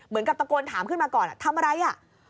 เหมือนกับตกโกนถามขึ้นมาก่อนทำอะไรอ่ะ